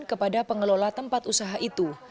kepada pengelola tempat usaha itu